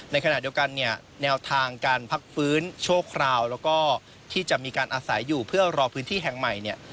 ในขณะเดียวกันเนี่ยแนวทางการพักฟื้นชั่วคราวแล้วก็ที่จะมีการอาศัยอยู่เพื่อรอพื้นที่แห่งใหม่เนี่ย